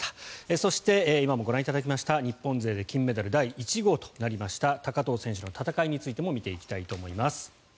そして、今もご覧いただきました日本勢で金メダルの第１号となりました高藤選手の戦いについても見ていきたいと思います。